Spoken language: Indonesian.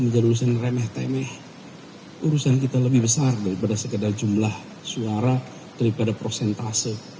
menjadi urusan remeh temeh urusan kita lebih besar daripada sekedar jumlah suara daripada prosentase